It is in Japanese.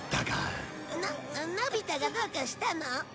のび太がどうかしたの？